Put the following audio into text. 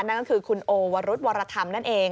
นั่นก็คือคุณโอวรุธวรธรรมนั่นเอง